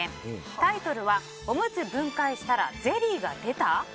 タイトルは「おむつ分解したらゼリーが出た？」。